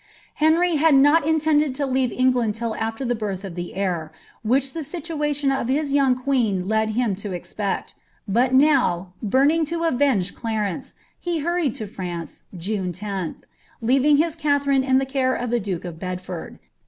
Henty had not iuietnliil lo lean England till after the biith of the heir, which the situation of his vouaf queen led him to expect; but now, burning tn avengv Cbrenee,' b hurried lo France, JuDe ID, leaving his Kalhi^rine m the care of ibc Jukt of Bedford.